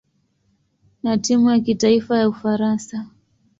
na timu ya kitaifa ya Ufaransa.